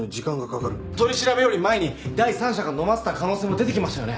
取り調べより前に第三者が飲ませた可能性も出てきましたよね？